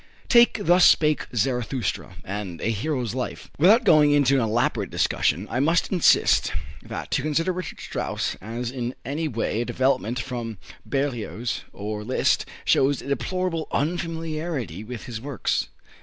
Take "Thus Spake Zarathustra" and "A Hero's Life." Without going into an elaborate discussion I must insist that, to consider Richard Strauss as in any way a development from Berlioz or Liszt, shows a deplorable unfamiliarity with his works.